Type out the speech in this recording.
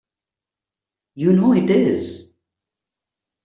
You know it is!